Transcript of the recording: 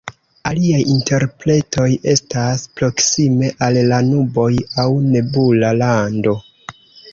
Aliaj interpretoj estas "proksime al la nuboj" aŭ "nebula lando".